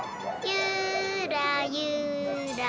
ゆらゆら。